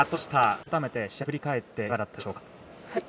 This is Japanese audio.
改めて試合を振り返っていかがでしたでしょうか？